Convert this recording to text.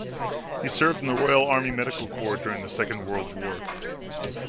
He served in the Royal Army Medical Corps during the Second World War.